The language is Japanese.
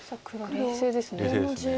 冷静です。